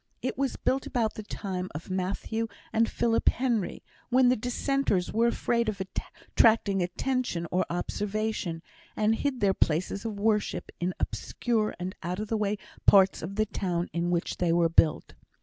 It was built about the time of Matthew and Philip Henry, when the Dissenters were afraid of attracting attention or observation, and hid their places of worship in obscure and out of the way parts of the towns in which they were built.